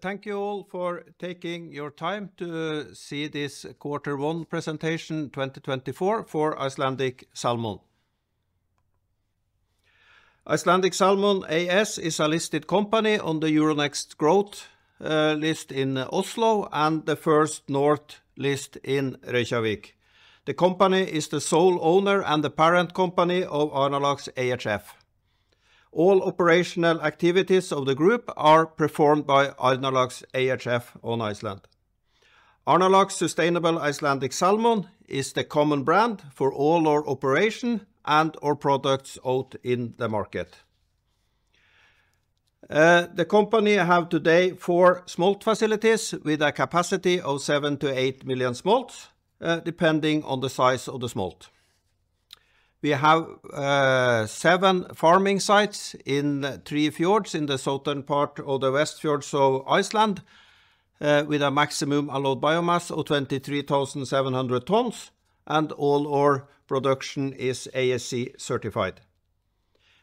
Thank you all for taking your time to see this Quarter One presentation 2024 for Icelandic Salmon. Icelandic Salmon AS is a listed company on the Euronext Growth list in Oslo and the First North list in Reykjavík. The company is the sole owner and the parent company of Arnarlax ehf. All operational activities of the group are performed by Arnarlax ehf on Iceland. Arnarlax Sustainable Icelandic Salmon is the common brand for all our operation and our products out in the market. The company has today four smolt facilities with a capacity of 7-8 million smolts, depending on the size of the smolt. We have seven farming sites in three fjords in the southern part of the Westfjords of Iceland with a maximum allowed biomass of 23,700 tons, and all our production is ASC certified.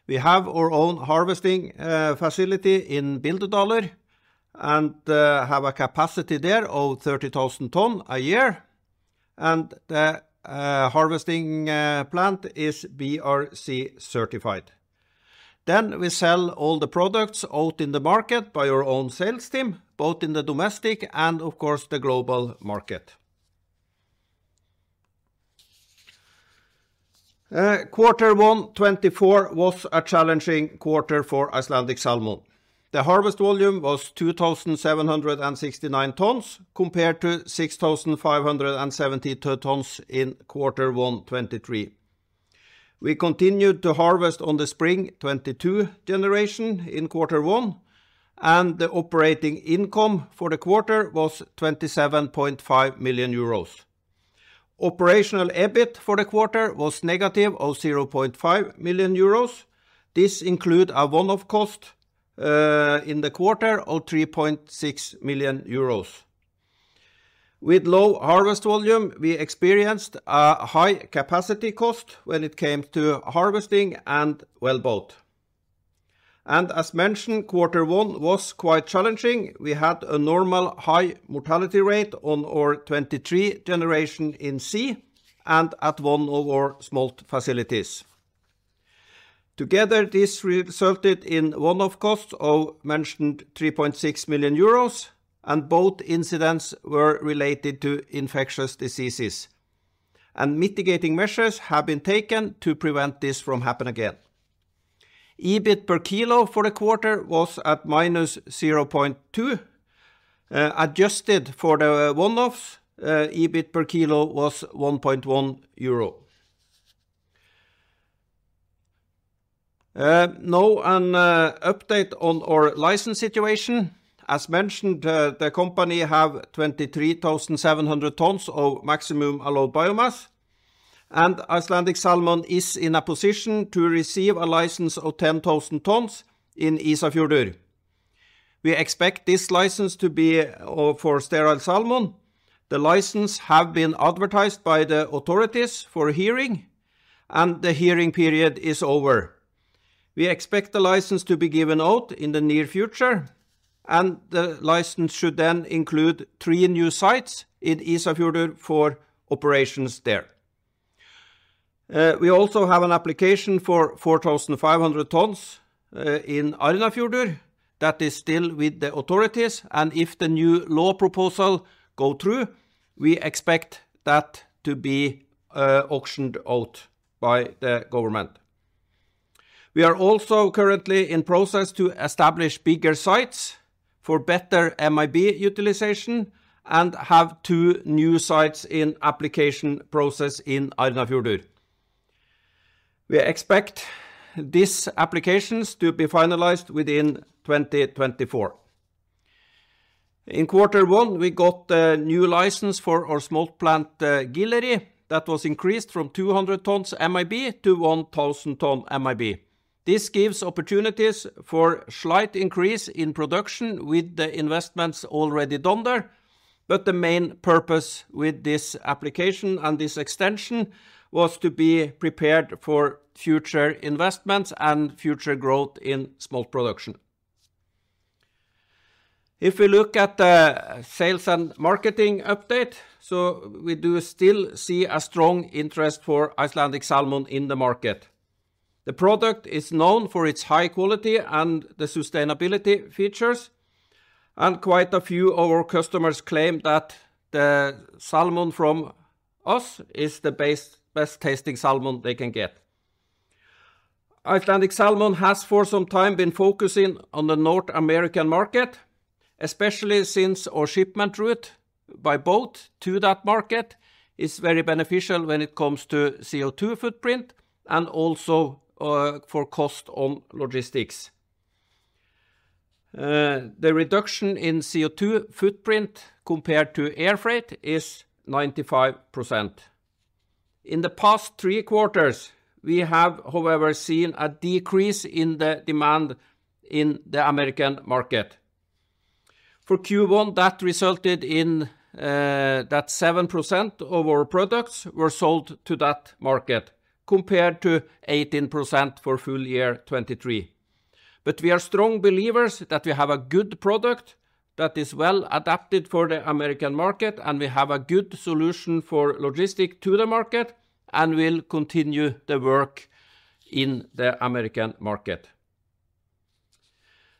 We have our own harvesting facility in Bíldudalur and have a capacity there of 30,000 tons a year, and the harvesting plant is BRC certified. Then we sell all the products out in the market by our own sales team, both in the domestic and of course the global market. Quarter One 2024 was a challenging quarter for Icelandic Salmon. The harvest volume was 2,769 tons compared to 6,572 tons in Quarter One 2023. We continued to harvest on the Spring 2022 generation in Quarter One, and the operating income for the quarter was 27.5 million euros. Operational EBIT for the quarter was negative of 0.5 million euros. This includes a one-off cost in the quarter of 3.6 million euros. With low harvest volume, we experienced a high capacity cost when it came to harvesting and wellboat. And as mentioned, Quarter One was quite challenging. We had a normal high mortality rate on our 2023 generation in sea and at one of our smolt facilities. Together, this resulted in one-off costs of mentioned 3.6 million euros, and both incidents were related to infectious diseases. Mitigating measures have been taken to prevent this from happening again. EBIT per kilo for the quarter was at -0.2 EUR. Adjusted for the one-offs, EBIT per kilo was 1.1 euro. Now an update on our license situation. As mentioned, the company has 23,700 tons of maximum allowed biomass, and Icelandic Salmon is in a position to receive a license of 10,000 tons in Ísafjörður. We expect this license to be for sterile salmon. The license has been advertised by the authorities for a hearing, and the hearing period is over. We expect the license to be given out in the near future, and the license should then include three new sites in Ísafjörður for operations there. We also have an application for 4,500 tons in Arnarfjörður that is still with the authorities, and if the new law proposal goes through, we expect that to be auctioned out by the government. We are also currently in process to establish bigger sites for better MAB utilization and have two new sites in application process in Arnarfjörður. We expect these applications to be finalized within 2024. In Quarter One, we got a new license for our smolt plant Gileyri that was increased from 200 tons MAB to 1,000 tons MAB. This gives opportunities for a slight increase in production with the investments already done there, but the main purpose with this application and this extension was to be prepared for future investments and future growth in smolt production. If we look at the sales and marketing update, so we do still see a strong interest for Icelandic Salmon in the market. The product is known for its high quality and the sustainability features, and quite a few of our customers claim that the salmon from us is the best tasting salmon they can get. Icelandic Salmon has for some time been focusing on the North American market, especially since our shipment route by boat to that market is very beneficial when it comes to CO2 footprint and also for cost on logistics. The reduction in CO2 footprint compared to air freight is 95%. In the past three quarters, we have, however, seen a decrease in the demand in the American market. For Q1, that resulted in that 7% of our products were sold to that market compared to 18% for full year 2023. But we are strong believers that we have a good product that is well adapted for the American market, and we have a good solution for logistics to the market and will continue the work in the American market.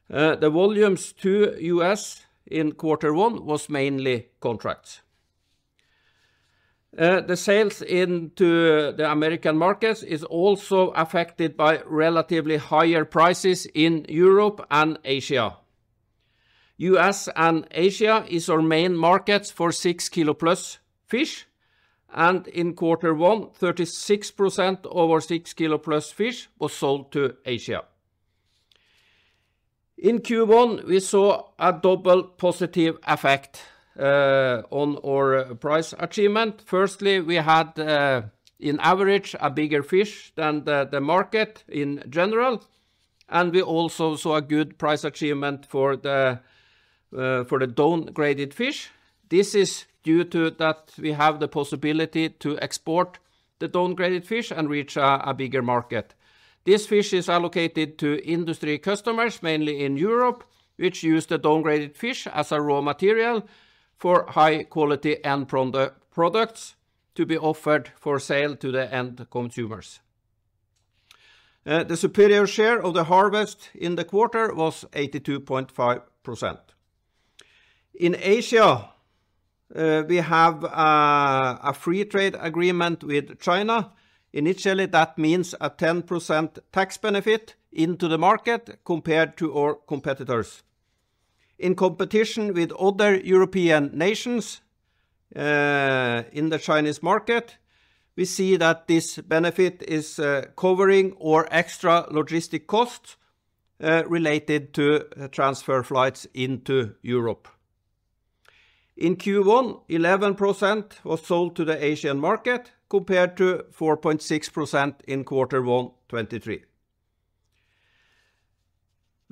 The volumes to the US in Quarter One were mainly contracts. The sales into the American markets are also affected by relatively higher prices in Europe and Asia. The US and Asia are our main markets for 6 kilo plus fish, and in Quarter One, 36% of our 6 kilo plus fish was sold to Asia. In Q1, we saw a double positive effect on our price achievement. Firstly, we had, in average, a bigger fish than the market in general, and we also saw a good price achievement for the downgraded fish. This is due to that we have the possibility to export the downgraded fish and reach a bigger market. This fish is allocated to industry customers, mainly in Europe, which use the downgraded fish as a raw material for high-quality end products to be offered for sale to the end consumers. The superior share of the harvest in the quarter was 82.5%. In Asia, we have a free trade agreement with China. Initially, that means a 10% tax benefit into the market compared to our competitors. In competition with other European nations in the Chinese market, we see that this benefit is covering our extra logistic costs related to transfer flights into Europe. In Q1, 11% was sold to the Asian market compared to 4.6% in Quarter One 2023.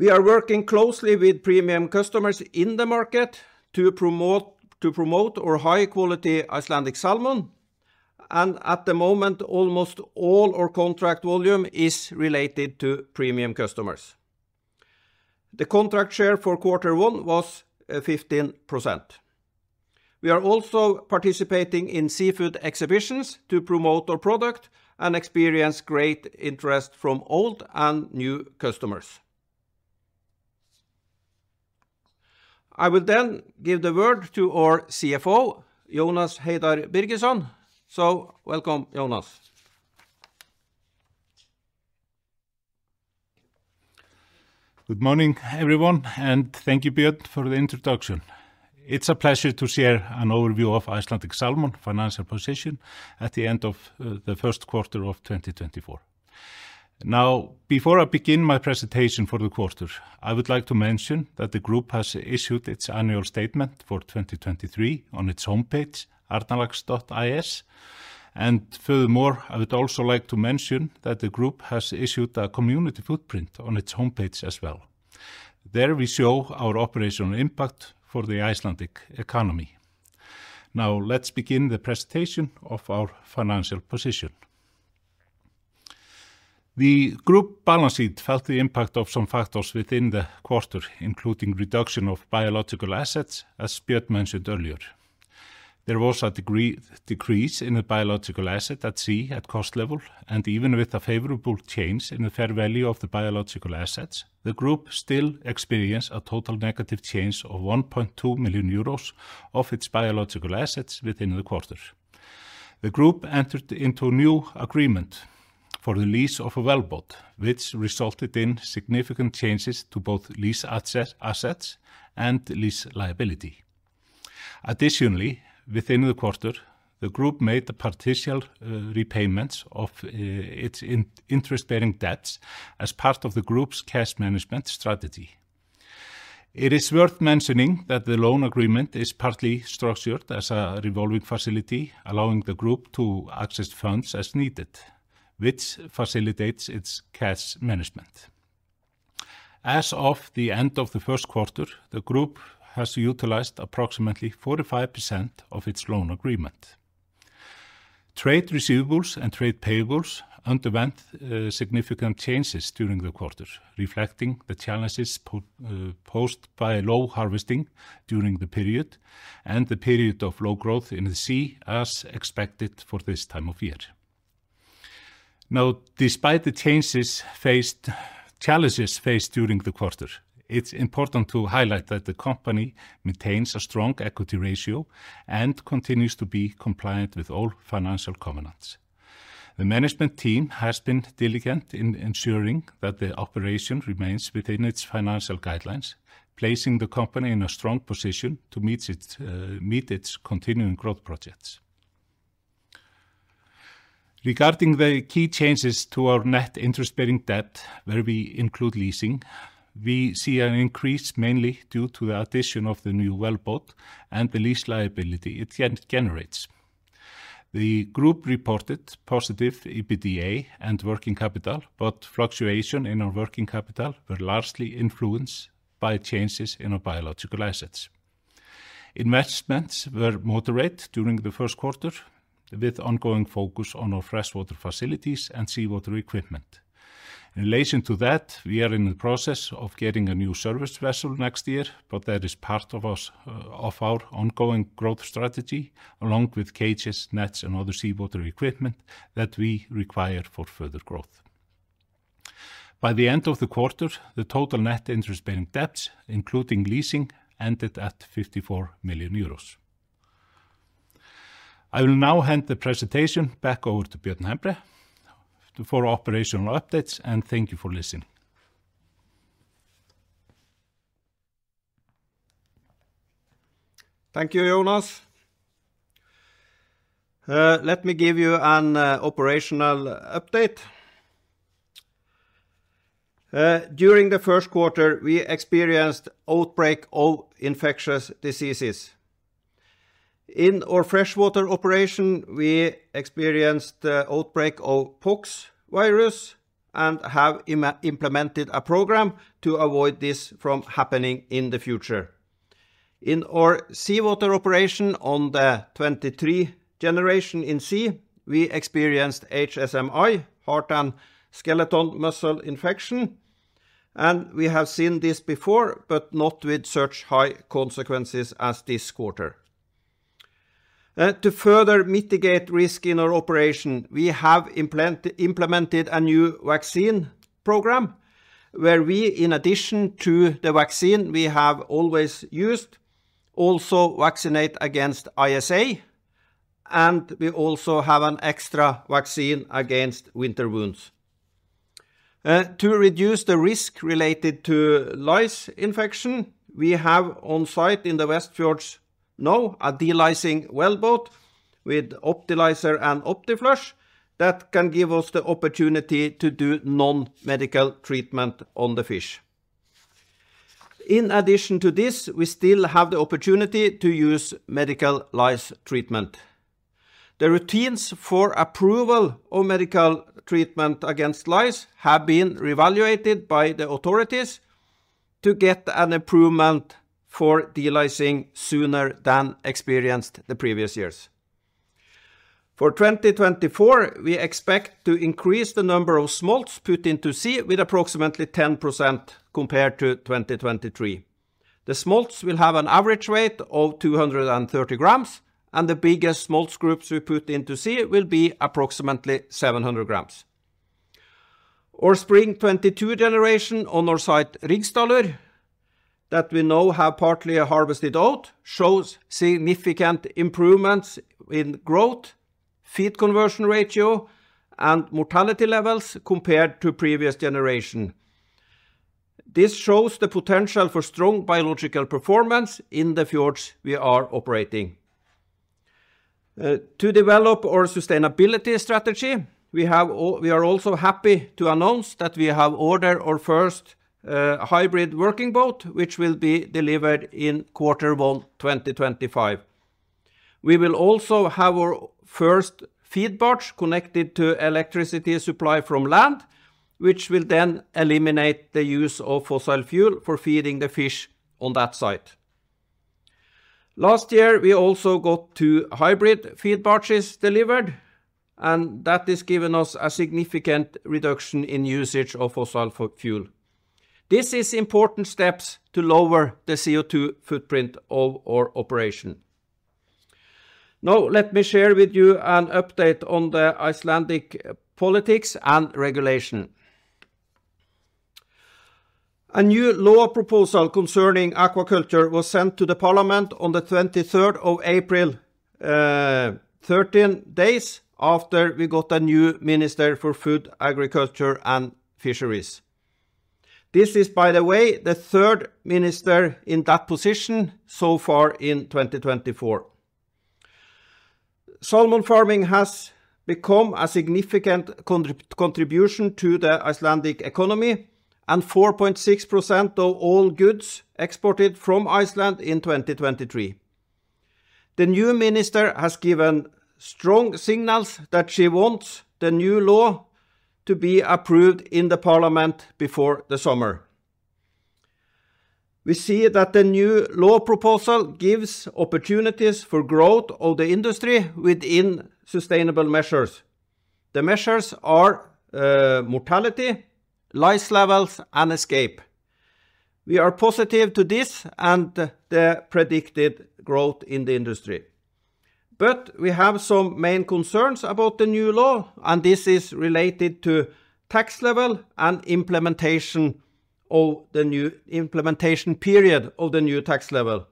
We are working closely with premium customers in the market to promote our high-quality Icelandic Salmon, and at the moment, almost all our contract volume is related to premium customers. The contract share for Quarter One was 15%. We are also participating in seafood exhibitions to promote our product and experience great interest from old and new customers. I will then give the word to our CFO, Jónas Heiðar Birgisson. So welcome, Jonas. Good morning, everyone, and thank you, Björn, for the introduction. It's a pleasure to share an overview of Icelandic Salmon's financial position at the end of the first quarter of 2024. Now, before I begin my presentation for the quarter, I would like to mention that the group has issued its annual statement for 2023 on its homepage, arnarlax.is. And furthermore, I would also like to mention that the group has issued a community footprint on its homepage as well. There we show our operational impact for the Icelandic economy. Now, let's begin the presentation of our financial position. The group balance sheet felt the impact of some factors within the quarter, including reduction of biological assets, as Björn mentioned earlier. There was a decrease in the biological assets at sea at cost level, and even with a favorable change in the fair value of the biological assets, the group still experienced a total negative change of 1.2 million euros of its biological assets within the quarter. The group entered into a new agreement for the lease of a wellboat, which resulted in significant changes to both lease assets and lease liability. Additionally, within the quarter, the group made the partial repayments of its interest-bearing debts as part of the group's cash management strategy. It is worth mentioning that the loan agreement is partly structured as a revolving facility, allowing the group to access funds as needed, which facilitates its cash management. As of the end of the first quarter, the group has utilized approximately 45% of its loan agreement. Trade receivables and trade payables underwent significant changes during the quarter, reflecting the challenges posed by low harvesting during the period and the period of low growth in the sea as expected for this time of year. Now, despite the changes faced during the quarter, it's important to highlight that the company maintains a strong equity ratio and continues to be compliant with all financial covenants. The management team has been diligent in ensuring that the operation remains within its financial guidelines, placing the company in a strong position to meet its continuing growth projects. Regarding the key changes to our net interest-bearing debt, where we include leasing, we see an increase mainly due to the addition of the new wellboat and the lease liability it generates. The group reported positive EBITDA and working capital, but fluctuation in our working capital was largely influenced by changes in our biological assets. Investments were moderate during the first quarter, with ongoing focus on our freshwater facilities and seawater equipment. In relation to that, we are in the process of getting a new service vessel next year, but that is part of our ongoing growth strategy, along with cages, nets, and other seawater equipment that we require for further growth. By the end of the quarter, the total net interest-bearing debts, including leasing, ended at 54 million euros. I will now hand the presentation back over to Björn Hembre for operational updates, and thank you for listening. Thank you, Jonas. Let me give you an operational update. During the first quarter, we experienced outbreak of infectious diseases. In our freshwater operation, we experienced outbreak of Pox virus and have implemented a program to avoid this from happening in the future. In our seawater operation on the 2023 generation in sea, we experienced HSMI, heart and skeletal muscle inflammation, and we have seen this before, but not with such high consequences as this quarter. To further mitigate risk in our operation, we have implemented a new vaccine program where we, in addition to the vaccine we have always used, also vaccinate against ISA, and we also have an extra vaccine against winter wounds. To reduce the risk related to lice infection, we have on site in the Westfjords now a delicing wellboat with Optimar and Optiflush that can give us the opportunity to do non-medical treatment on the fish. In addition to this, we still have the opportunity to use medical lice treatment. The routines for approval of medical treatment against lice have been reevaluated by the authorities to get an improvement for delicing sooner than experienced in the previous years. For 2024, we expect to increase the number of smolts put into sea with approximately 10% compared to 2023. The smolts will have an average weight of 230 grams, and the biggest smolts groups we put into sea will be approximately 700 grams. Our Spring 2022 generation on our site Hringsdalur, that we now have partly harvested out, shows significant improvements in growth, feed conversion ratio, and mortality levels compared to the previous generation. This shows the potential for strong biological performance in the fjords we are operating. To develop our sustainability strategy, we are also happy to announce that we have ordered our first hybrid working boat, which will be delivered in Q1 2025. We will also have our first feed barge connected to electricity supply from land, which will then eliminate the use of fossil fuel for feeding the fish on that site. Last year, we also got 2 hybrid feed barges delivered, and that has given us a significant reduction in usage of fossil fuel. This is important steps to lower the CO2 footprint of our operation. Now, let me share with you an update on the Icelandic politics and regulation. A new law proposal concerning aquaculture was sent to the Parliament on the 23rd of April, 13 days after we got a new Minister for Food, Agriculture, and Fisheries. This is, by the way, the third minister in that position so far in 2024. Salmon farming has become a significant contribution to the Icelandic economy and 4.6% of all goods exported from Iceland in 2023. The new minister has given strong signals that she wants the new law to be approved in the Parliament before the summer. We see that the new law proposal gives opportunities for growth of the industry within sustainable measures. The measures are mortality, lice levels, and escape. We are positive to this and the predicted growth in the industry. We have some main concerns about the new law, and this is related to tax level and implementation of the new implementation period of the new tax level.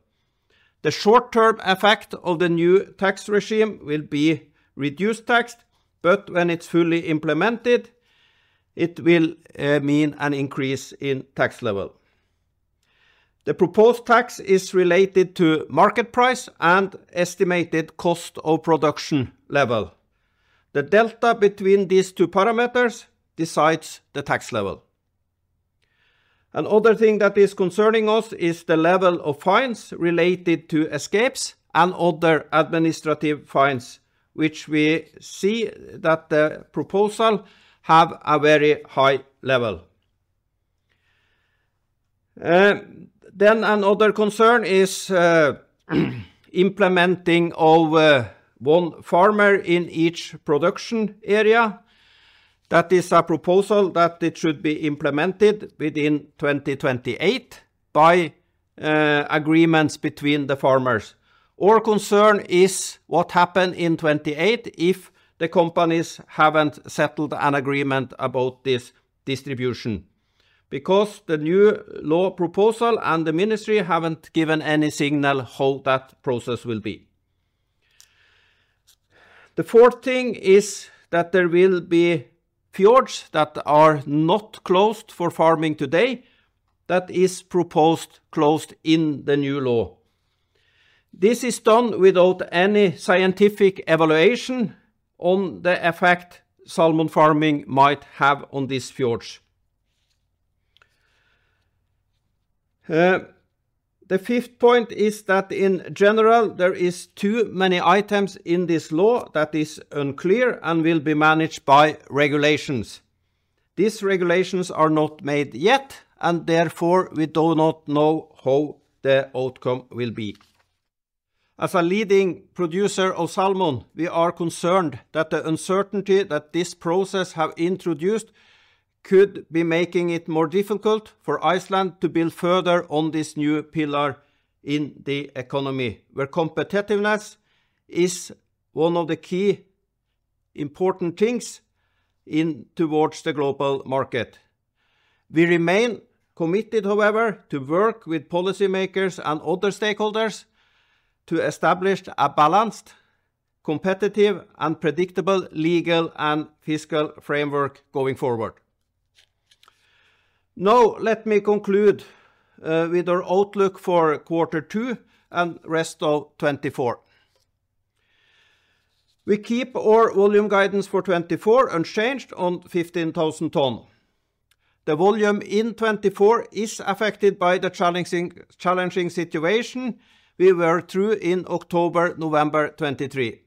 The short-term effect of the new tax regime will be reduced tax, but when it's fully implemented, it will mean an increase in tax level. The proposed tax is related to market price and estimated cost of production level. The delta between these two parameters decides the tax level. Another thing that is concerning us is the level of fines related to escapes and other administrative fines, which we see that the proposal has a very high level. Another concern is implementing of one farmer in each production area. That is a proposal that it should be implemented within 2028 by agreements between the farmers. Our concern is what happens in 2028 if the companies haven't settled an agreement about this distribution, because the new law proposal and the ministry haven't given any signal how that process will be. The fourth thing is that there will be fjords that are not closed for farming today that are proposed closed in the new law. This is done without any scientific evaluation on the effect salmon farming might have on these fjords. The fifth point is that in general, there are too many items in this law that are unclear and will be managed by regulations. These regulations are not made yet, and therefore we do not know how the outcome will be. As a leading producer of salmon, we are concerned that the uncertainty that this process has introduced could be making it more difficult for Iceland to build further on this new pillar in the economy, where competitiveness is one of the key important things towards the global market. We remain committed, however, to work with policymakers and other stakeholders to establish a balanced, competitive, and predictable legal and fiscal framework going forward. Now, let me conclude with our outlook for Q2 and the rest of 2024. We keep our volume guidance for 2024 unchanged on 15,000 tons. The volume in 2024 is affected by the challenging situation we were through in October-November 2023.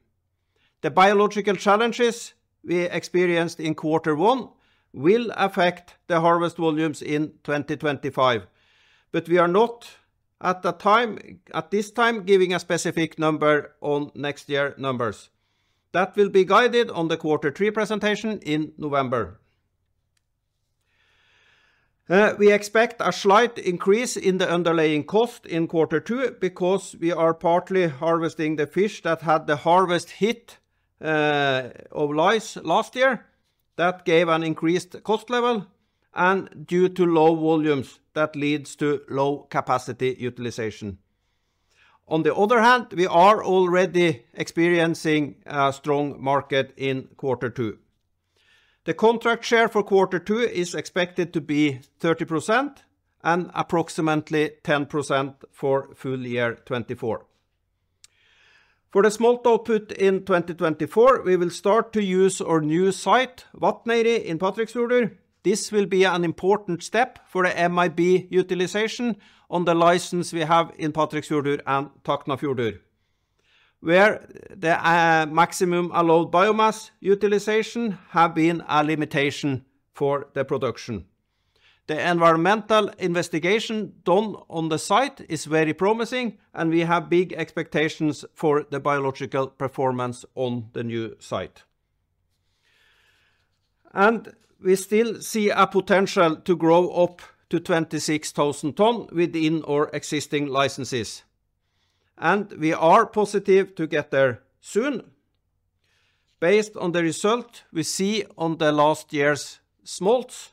The biological challenges we experienced in Q1 will affect the harvest volumes in 2025, but we are not at this time giving a specific number on next year's numbers. That will be guided on the Q3 presentation in November. We expect a slight increase in the underlying cost in Q2 because we are partly harvesting the fish that had the harvest hit of lice last year that gave an increased cost level, and due to low volumes that leads to low capacity utilization. On the other hand, we are already experiencing a strong market in Q2. The contract share for Q2 is expected to be 30% and approximately 10% for full year 2024. For the smolt output in 2024, we will start to use our new site, Vatneyri in Patreksfjörður. This will be an important step for the MAB utilization on the license we have in Patreksfjörður and Tálknafjörður, where the maximum allowed biomass utilization has been a limitation for the production. The environmental investigation done on the site is very promising, and we have big expectations for the biological performance on the new site. We still see a potential to grow up to 26,000 tons within our existing licenses. We are positive to get there soon. Based on the result we see on the last year's smolts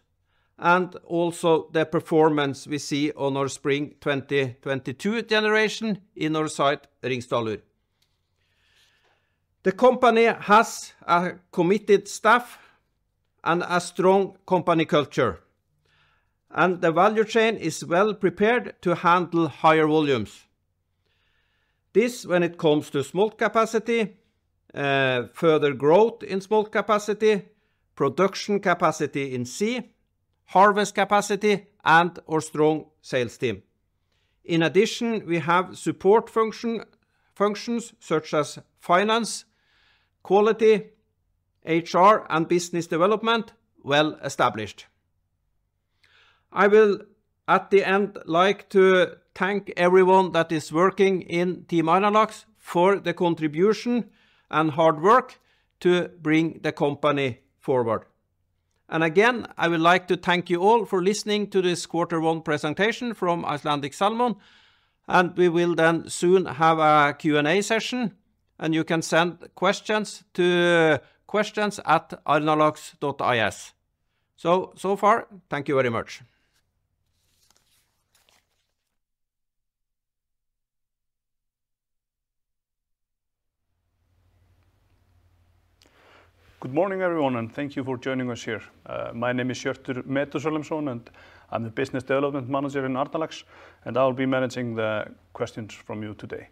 and also the performance we see on our Spring 2022 generation in our site, Hringsdalur. The company has a committed staff and a strong company culture, and the value chain is well prepared to handle higher volumes. This, when it comes to smolt capacity, further growth in smolt capacity, production capacity in sea, harvest capacity, and our strong sales team. In addition, we have support functions such as finance, quality, HR, and business development well established. I will at the end like to thank everyone that is working in Team Arnarlax for the contribution and hard work to bring the company forward. And again, I would like to thank you all for listening to this Q1 presentation from Icelandic Salmon, and we will then soon have a Q&A session, and you can send questions to questions@arnarlax.is. So so far, thank you very much. Good morning everyone, and thank you for joining us here. My name is Hjörtur Methúsalemsson, and I'm the Business Development Manager in Arnarlax, and I will be managing the questions from you today.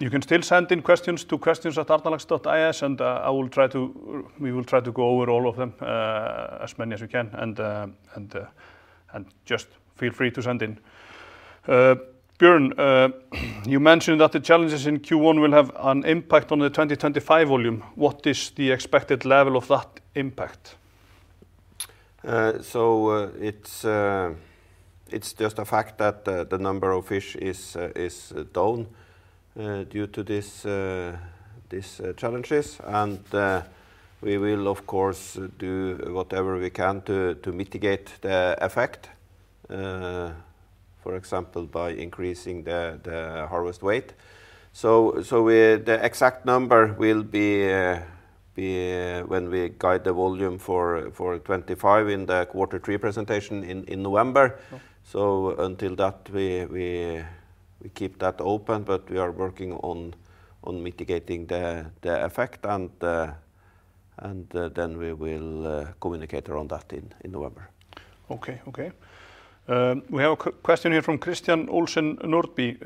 You can still send in questions to questions@arnarlax.is, and we will try to go over all of them as many as we can, and just feel free to send in. Björn, you mentioned that the challenges in Q1 will have an impact on the 2025 volume. What is the expected level of that impact? It's just a fact that the number of fish is down due to these challenges, and we will, of course, do whatever we can to mitigate the effect, for example, by increasing the harvest weight. The exact number will be when we guide the volume for 2025 in the Q3 presentation in November. Until that, we keep that open, but we are working on mitigating the effect, and then we will communicate on that in November. Okay, okay. We have a question here from Christian Olsen Nordby.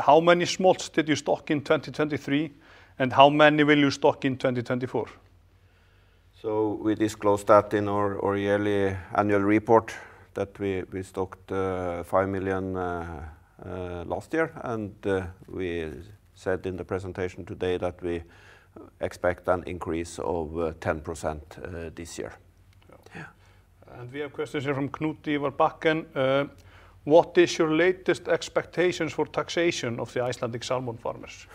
How many smolts did you stock in 2023, and how many will you stock in 2024? We disclosed that in our yearly annual report that we stocked 5 million last year, and we said in the presentation today that we expect an increase of 10% this year. We have questions here from Knut-Ivar Bakken. What is your latest expectations for taxation of the Icelandic salmon farmers?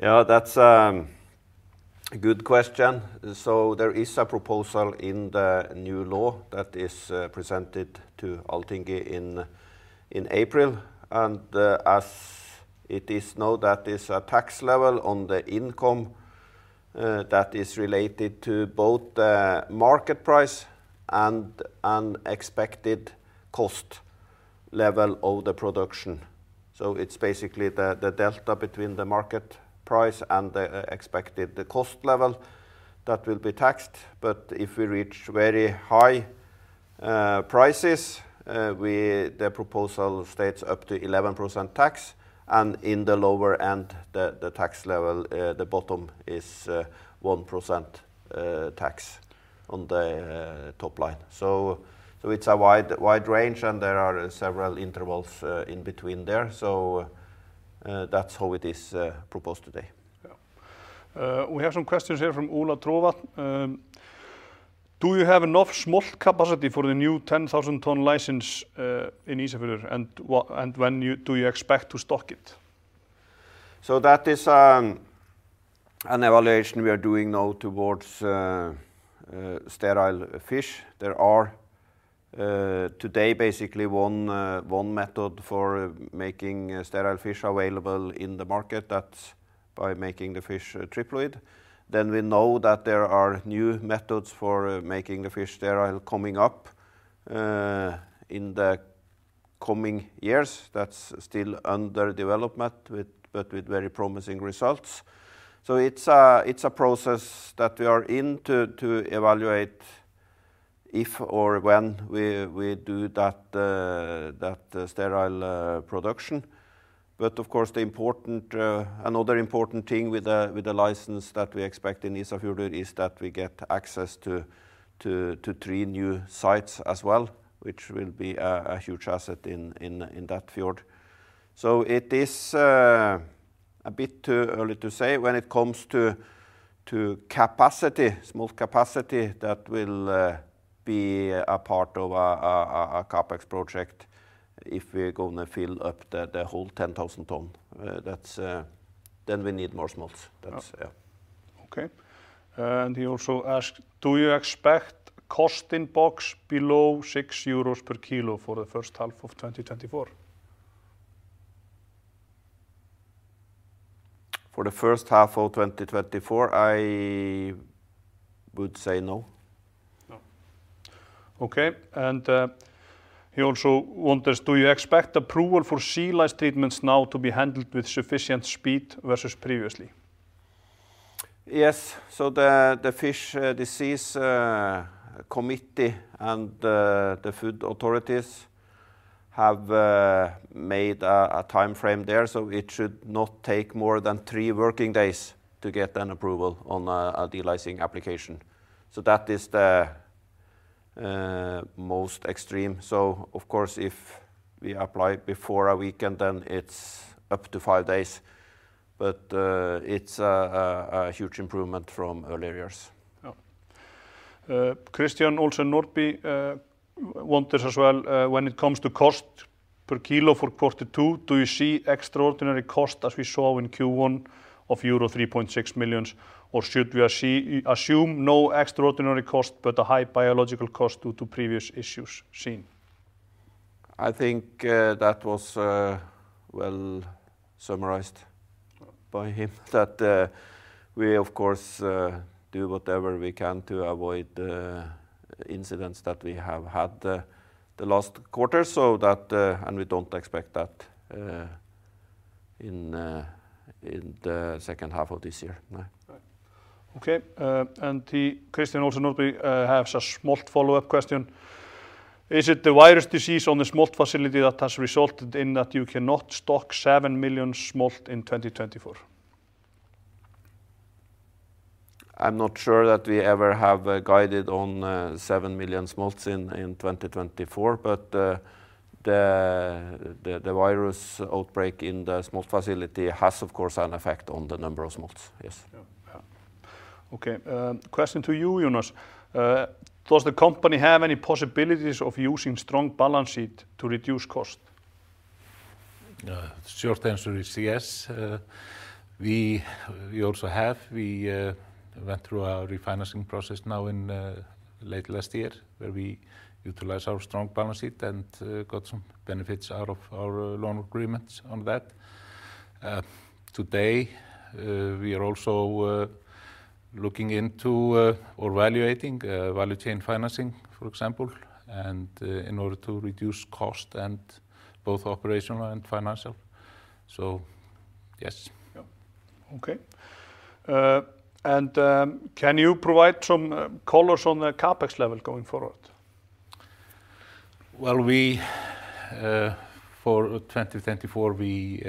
Yeah, that's a good question. So there is a proposal in the new law that is presented to Alþingi in April, and as it is known, that is a tax level on the income that is related to both the market price and an expected cost level of the production. So it's basically the delta between the market price and the expected cost level that will be taxed. But if we reach very high prices, the proposal states up to 11% tax, and in the lower end, the tax level, the bottom is 1% tax on the top line. So it's a wide range, and there are several intervals in between there. So that's how it is proposed today. We have some questions here from Ola Trovatn. Do you have enough smolt capacity for the new 10,000-ton license in Ísafjörður, and when do you expect to stock it? So that is an evaluation we are doing now towards sterile fish. There are today basically one method for making sterile fish available in the market. That's by making the fish triploid. Then we know that there are new methods for making the fish sterile coming up in the coming years. That's still under development, but with very promising results. So it's a process that we are in to evaluate if or when we do that sterile production. But of course, another important thing with the license that we expect in Ísafjörður is that we get access to three new sites as well, which will be a huge asset in that fjord. So it is a bit too early to say when it comes to smolt capacity that will be a part of a CapEx project if we're going to fill up the whole 10,000 tons. Then we need more smolts. Okay. And he also asked, do you expect a cost in box below 6 euros per kilo for the first half of 2024? For the first half of 2024, I would say no. No. Okay. And he also wonders, do you expect approval for sea lice treatments now to be handled with sufficient speed versus previously? Yes. So the Fish Disease Committee and the food authorities have made a time frame there, so it should not take more than three working days to get an approval on a delicing application. So that is the most extreme. So of course, if we apply before a weekend, then it's up to five days. But it's a huge improvement from earlier years. Christian Olsen Nordby wonders as well, when it comes to cost per kilo for Q2, do you see extraordinary cost as we saw in Q1 of euro 3.6 million, or should we assume no extraordinary cost but a high biological cost due to previous issues seen? I think that was well summarized by him, that we, of course, do whatever we can to avoid incidents that we have had the last quarter, and we don't expect that in the second half of this year. Okay. Christian Olsen Nordby has a smolt follow-up question. Is it the virus disease on the smolt facility that has resulted in that you cannot stock 7 million smolt in 2024? I'm not sure that we ever have guided on 7 million smolts in 2024, but the virus outbreak in the smolt facility has, of course, an effect on the number of smolts. Yes. Okay. Question to you, Jonas. Does the company have any possibilities of using a strong balance sheet to reduce cost? The short answer is yes. We also have. We went through a refinancing process now late last year where we utilized our strong balance sheet and got some benefits out of our loan agreements on that. Today, we are also looking into or evaluating value chain financing, for example, in order to reduce cost both operational and financial. So yes. Okay. And can you provide some colors on the CapEx level going forward? Well, for 2024, we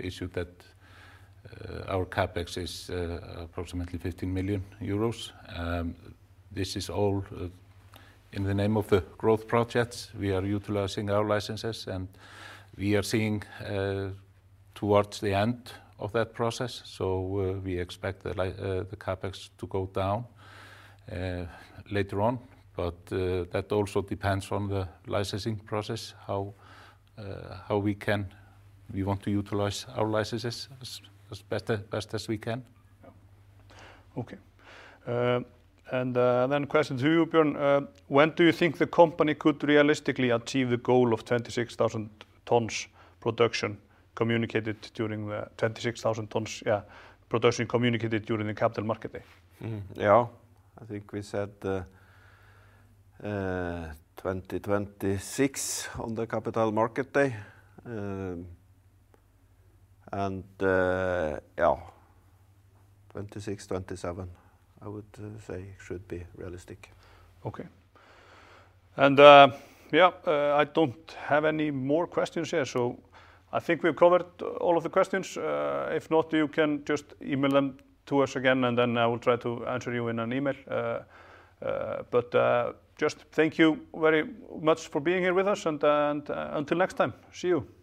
issued that our CapEx is approximately 15 million euros. This is all in the name of the growth projects. We are utilizing our licenses, and we are seeing towards the end of that process, so we expect the CapEx to go down later on. But that also depends on the licensing process, how we want to utilize our licenses as best as we can. Okay. Question to you, Björn. When do you think the company could realistically achieve the goal of 26,000 tons production communicated during the Capital Market Day? Yeah. I think we said 2026 on the Capital Market Day. Yeah, 2026, 2027, I would say should be realistic. Okay. And yeah, I don't have any more questions here. So I think we've covered all of the questions. If not, you can just email them to us again, and then I will try to answer you in an email. But just thank you very much for being here with us, and until next time, see you.